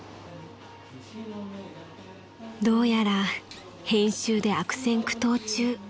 ［どうやら編集で悪戦苦闘中］